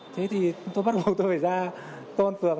thế thì tôi bắt buộc tôi phải ra công an phường